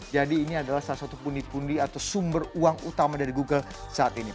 jadi ini adalah salah satu pundi pundi atau sumber uang utama dari google saat ini